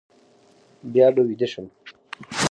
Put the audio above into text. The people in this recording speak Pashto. بیا به ویده شم.